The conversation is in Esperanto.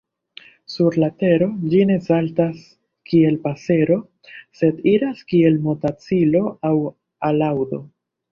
Sur la tero ĝi ne saltas kiel pasero sed iras kiel motacilo aŭ alaŭdo.